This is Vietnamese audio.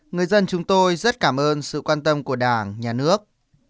người dân chúng tôi rất cảm ơn sự quan tâm của đảng nhà nước